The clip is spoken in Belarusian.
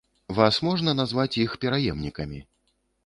Вас можна назваць іх пераемнікамі?